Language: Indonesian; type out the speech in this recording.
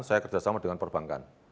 saya kerjasama dengan perbankan